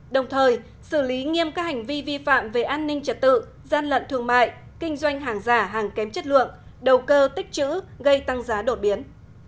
đồng thời xử lý nghiêm các hành vi vi phạm về an ninh trật tự gian lận thương mại kinh doanh hàng giả hàng kém chất lượng đầu cơ tích chữ gây tăng giá đột biến